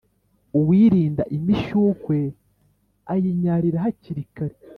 Uwirinda imishyukwe ayinyarira hakiri kare.